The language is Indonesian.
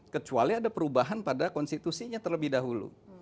kecuali ada perubahan pada konstitusinya terlebih dahulu